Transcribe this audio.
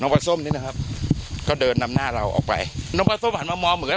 ปลาส้มนี่นะครับก็เดินนำหน้าเราออกไปน้องปลาส้มหันมามองเหมือนกัน